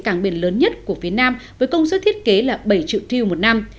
cảng biển lãnh lớn nhất của phía nam với công suất thiết kế là bảy triệu triệu một năm